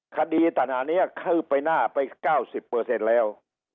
คดีตนานี้เข้าไปหน้าไป๙๐แล้ว